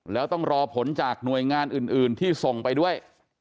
แล้วต้องรอผลจากหน่วยงานอื่นที่ส่งไปด้วย